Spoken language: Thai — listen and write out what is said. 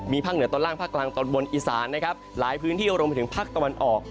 มีภาคเหนือต้นล่างภาคกลางต้นบนอิสานหลายพื้นที่รวมถึงภาคตะวันออก